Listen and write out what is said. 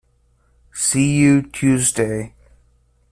See you Tuesday!